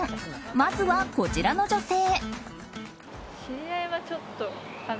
まずはこちらの女性。